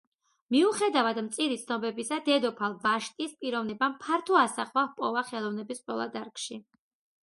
მიუხედავად მწირი ცნობებისა, დედოფალ ვაშტის პიროვნებამ ფართო ასახვა ჰპოვა ხელოვნების ყველა დარგში.